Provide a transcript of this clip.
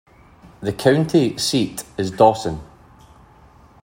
The county seat is Dawson.